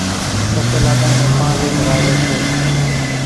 پسيَ لاڏا نين پانۿلِي ڀراويَ سي۔